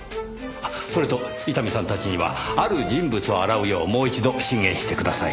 あっそれと伊丹さんたちにはある人物を洗うようもう一度進言してください。